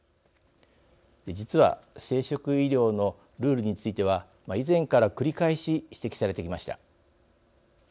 実は生殖医療のルールについては以前から繰り返し指摘されてきました。